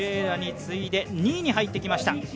楽に次いで２位に入ってきました。